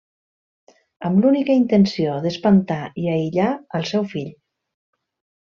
Amb l'única intenció d'espantar i aïllar al seu fill.